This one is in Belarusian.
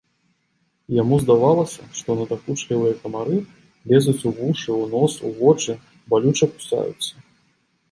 Яму здавалася, што надакучлівыя камары лезуць у вушы, у нос, у вочы, балюча кусаюцца.